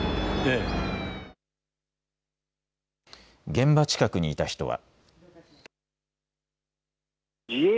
現場近くにいた人は。